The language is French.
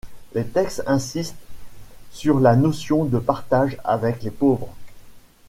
Les textes insistent sur la notion de partage avec les pauvres.